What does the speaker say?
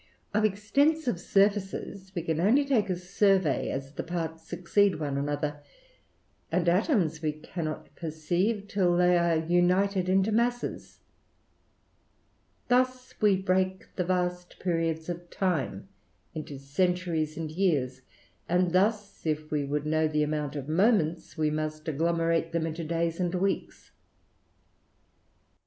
Of extensive surfaces we can only take a survey, as the parts succeed one another; and atoms we cannot tS4 THE RAMBLER. perceive till they are united into masses. Thus we break the vast periods of time into centuries and years ; and thus, if we would know the amount of moments, we must agglomerate them into days and weeks.